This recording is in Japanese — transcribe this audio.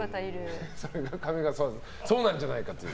上川さんはそうなんじゃないかという。